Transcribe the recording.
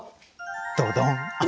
ドドン。